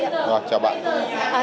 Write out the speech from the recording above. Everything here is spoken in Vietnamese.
vâng chào bạn